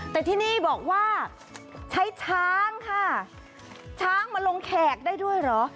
แต่ที่นี่บอกว่าใช้ช้างค่ะช้างมาลงแขกได้ด้วยเหรอ